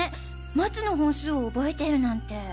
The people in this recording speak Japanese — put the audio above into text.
松の本数を覚えてるなんて。